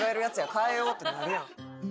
変えようってなるやん。